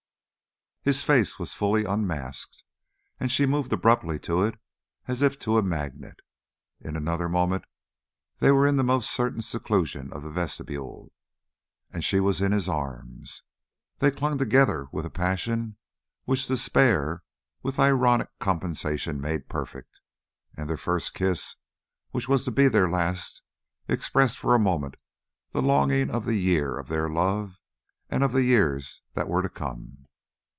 His face was fully unmasked, and she moved abruptly to it as to a magnet. In another moment they were in the more certain seclusion of the vestibule, and she was in his arms. They clung together with a passion which despair with ironic compensation made perfect, and their first kiss which was to be their last expressed for a moment the longing of the year of their love and of the years that were to come.